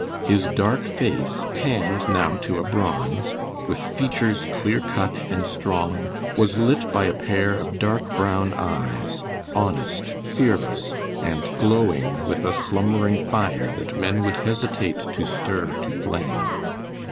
His dark face, tanned now to a bronze, with features clear cut and strong, was lit by a pair of dark brown eyes, honest, fearless, and glowing with a slumbering fire that men would hesitate to stir to flame.